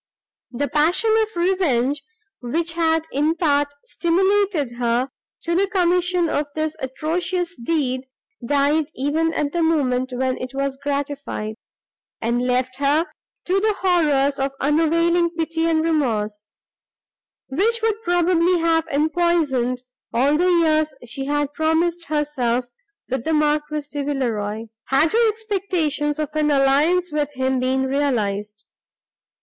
The passion of revenge, which had in part stimulated her to the commission of this atrocious deed, died, even at the moment when it was gratified, and left her to the horrors of unavailing pity and remorse, which would probably have empoisoned all the years she had promised herself with the Marquis de Villeroi, had her expectations of an alliance with him been realised.